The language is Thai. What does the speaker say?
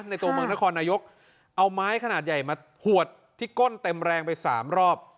ในตัวเมืองนครนายกเอาไม้ขนาดใหญ่มาหวดที่ก้นเต็มแรงไปสามรอบ